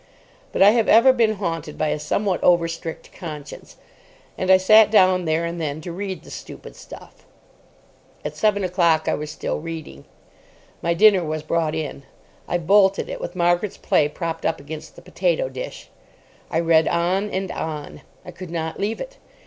But I have ever been haunted by a somewhat over strict conscience, and I sat down there and then to read the stupid stuff. At seven o'clock I was still reading. My dinner was brought in. I bolted it with Margaret's play propped up against the potato dish. I read on and on. I could not leave it.